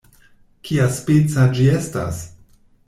"Kiaspeca ĝi estas?"